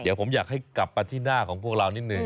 เดี๋ยวผมอยากให้กลับมาที่หน้าของพวกเรานิดหนึ่ง